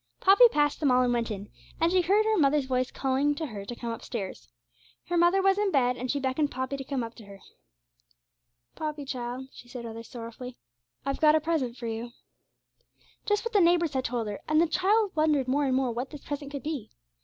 Poppy passed them all and went in, and then she heard her mother's voice calling to her to come upstairs. Her mother was in bed, and she beckoned Poppy to come up to her. 'Poppy, child,' she said, rather sorrowfully, 'I've got a present for you.' Just what the neighbours had told her; and the child wondered more and more what this present could be.